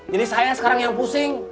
jadi saya sekarang yang pusing